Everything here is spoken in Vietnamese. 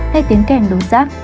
nghe tiếng kèm đông rác